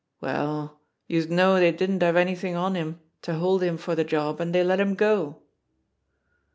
Well, youse know dey didn't have anythin' on him to hold him for de job, an' dey let him go."